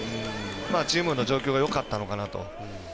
チームの状況がよかったのかなと。